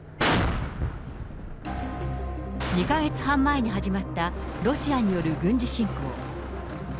２か月半前に始まったロシアによる軍事侵攻。